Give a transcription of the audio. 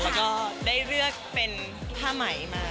แล้วก็ได้เลือกเป็นผ้าไหมมา